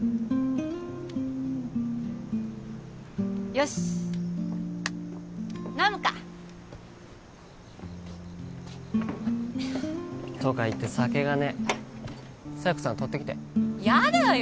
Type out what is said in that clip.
よしっ飲むかとか言って酒がねえ佐弥子さん取ってきてやだよ